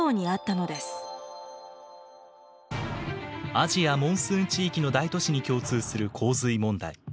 アジアモンスーン地域の大都市に共通する洪水問題。